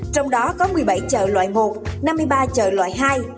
trong đó có một mươi bảy chợ loại một năm mươi ba chợ loại hai